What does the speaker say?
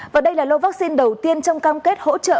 và đây là lô vắc xin đầu tiên trong cam kết hỗ trợ